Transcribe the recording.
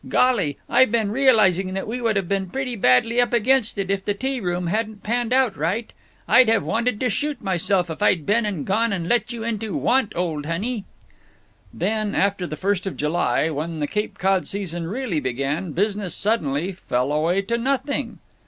Golly! I've been realizing that we would have been pretty badly up against it if the tea room hadn't panned out right. I'd have wanted to shoot myself if I'd been and gone and led you into want, old honey!" Then, after the first of July, when the Cape Cod season really began, business suddenly fell away to nothing.